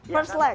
ya pertama lag